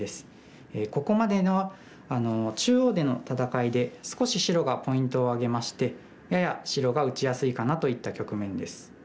ここまでの中央での戦いで少し白がポイントを挙げましてやや白が打ちやすいかなといった局面です。